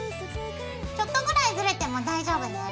ちょっとぐらいずれても大丈夫だよ。